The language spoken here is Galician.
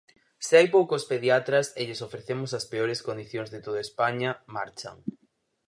Se hai poucos pediatras e lles ofrecemos as peores condicións de toda España, marchan.